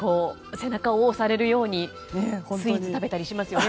背中を押されるようにスイーツを食べたりしますね